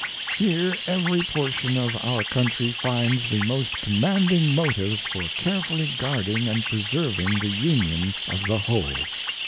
ŌĆö Here every portion of our country finds the most commanding motives for carefully guarding and preserving the Union of the whole.